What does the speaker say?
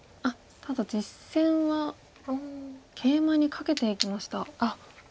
ただ実戦はケイマにカケていきました。